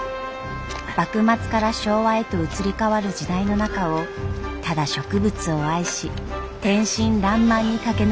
幕末から昭和へと移り変わる時代の中をただ植物を愛し天真らんまんに駆け抜けました。